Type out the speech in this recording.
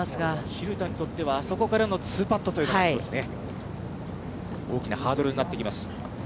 蛭田にとっては、あそこからの２パットということですね。